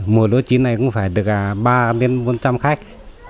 mùa lối chí này cũng phải được ba bốn trăm linh khách